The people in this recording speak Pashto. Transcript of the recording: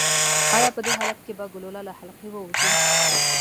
ایا په دې حالت کې به ګلوله له حلقې ووځي؟